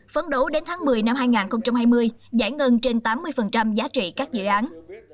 phấn đấu đến tháng một mươi năm hai nghìn hai mươi giải ngân trên tám mươi giá trị các dự án